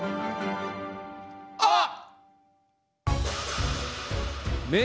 あっ！